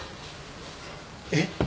えっ？